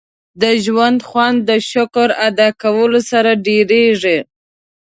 • د ژوند خوند د شکر ادا کولو سره ډېرېږي.